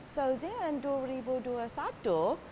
jadi kemudian dua ribu dua puluh satu